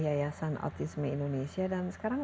yayasan autisme indonesia dan sekarang